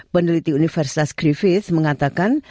peneliti universitas griffith mengatakan